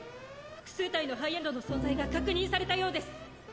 複数体のハイエンドの存在が確認されたようです。